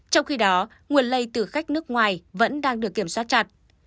trong khi đó nguồn lây từ khách nước ngoài vẫn đang được kiểm soát chặt